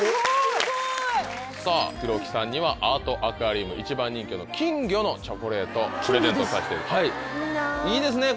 すごい。黒木さんにはアートアクアリウム一番人気の金魚のチョコレートプレゼントいいですねこれ。